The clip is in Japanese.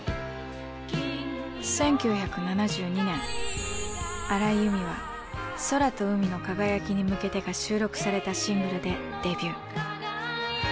１９７２年荒井由実は「空と海の輝きに向けて」が収録されたシングルでデビュー。